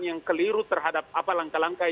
yang keliru terhadap apa langkah langkah